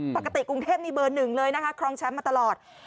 ปกติกรุงเทพมีเบอร์๑เลยนะคะครองแชมป์มาตลอด